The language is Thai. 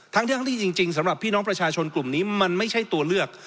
ทั้งที่จริงสำหรับพี่น้องประชาชนกลุ่มนี้มันไม่ใช่ตัวเลือก